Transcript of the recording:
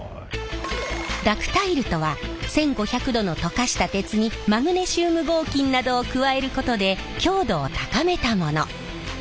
ダクタイルとは１，５００度の溶かした鉄にマグネシウム合金などを加えることで強度を高めたもの。